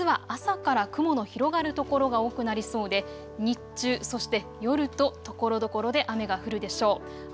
あすは朝から雲の広がる所が多くなりそうで日中そして夜とところどころで雨が降るでしょう。